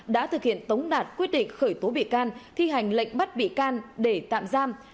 đã thực hiện tống đạt quyết định khởi tố bị can thi hành lệnh bắt bị can để tạm giam